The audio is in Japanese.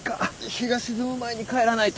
日が沈む前に帰らないと！